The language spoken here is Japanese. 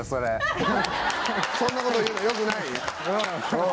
そんなこと言うのはよくない？